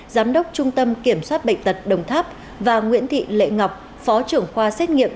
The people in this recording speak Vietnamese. giám đốc trung tâm kiểm soát bệnh tật đồng tháp và nguyễn thị lệ ngọc phó trưởng khoa xét nghiệm